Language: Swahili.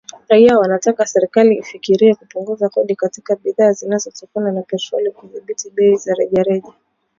raia wanataka serikali ifikirie kupunguza kodi katika bidhaa zinazotokana na petroli na kudhibiti bei za rejareja